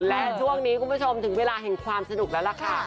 และช่วงนี้คุณผู้ชมถึงเวลาแห่งความสนุกแล้วล่ะค่ะ